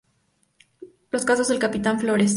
Los casos del capitán Flores.